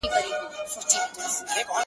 o پسرلی وایې جهاني دي پرې باران سي,